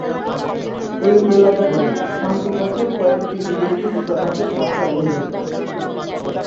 এই এলাকাটি শান্তি পথের কয়েকটি বিদেশি দূতাবাসের কাছে অবস্থিত।